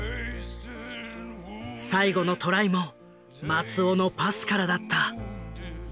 最後のトライも松尾のパスからだった。